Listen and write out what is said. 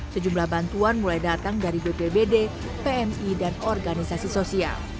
sejumlah bantuan mulai datang dari bpbd pmi dan organisasi sosial